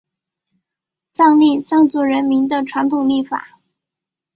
藏历藏族人民的传统历法。